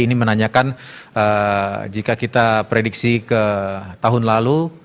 ini menanyakan jika kita prediksi ke tahun lalu